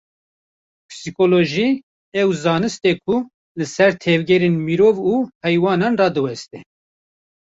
Psîkolojî, ew zanist e ku li ser tevgerên mirov û heywanan radiweste